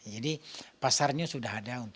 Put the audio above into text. jadi pasarnya sudah ada